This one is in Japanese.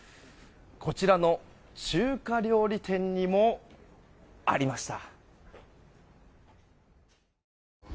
こちらの中華料理店にもありました。